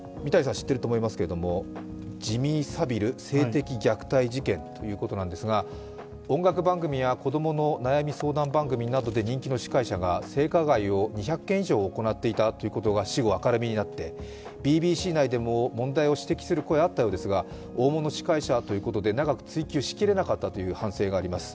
知ってるとお思いますけれども、ジミー・サビル性的虐待事件ということなんですが音楽番組や子供の悩み相談番組などで人気の司会者が性加害を２００件以上行っていたということが死語、明るみになってＢＢＣ内でも問題視する声があったようですが大物司会者ということで長く追求しきれなかったという反省があります